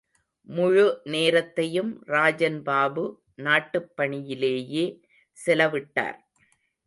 முழு நேரத்தையும் ராஜன் பாபு நாட்டுப் பணியிலேயே செலவிட்டார்.